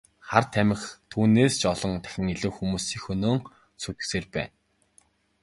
Харин тамхи түүнээс ч олон дахин илүү хүмүүсийг хөнөөн сүйтгэсээр байна.